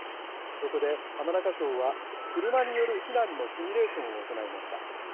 そこで浜中町は車による避難のシミュレーションを行いました。